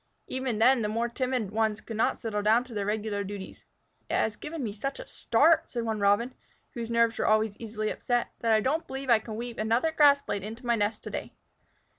Even then the more timid ones could not settle down to their regular duties. "It has given me such a start," said one Robin, whose nerves were always easily upset, "that I don't believe I can weave another grass blade into my nest to day."